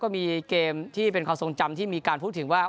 มีเกมที่เป็นความทรงจำที่มีการพูดถึงว่า